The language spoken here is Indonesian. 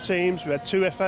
kita memiliki dua fa